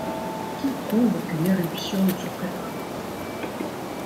Qui prouve qu’une éruption ne se prépare pas ?